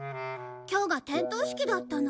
今日が点灯式だったの。